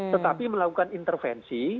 tetapi melakukan intervensi